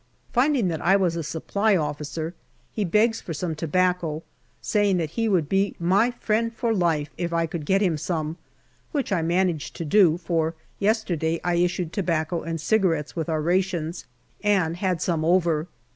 Finding that I was a Supply Officer, he begs for some tobacco, saying that he would be my friend for life if I could get him some, which I manage to do, for yesterday I issued tobacco and cigarettes with our rations and had some over.